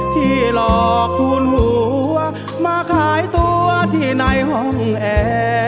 ที่หลอกทูลหัวมาขายตัวที่ในห้องแอร์